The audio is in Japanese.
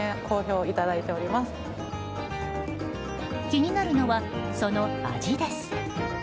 気になるのは、その味です。